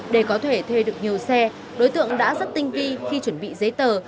để có thể thuê được nhiều xe đối tượng đã rất tinh vi khi chuẩn bị giấy tờ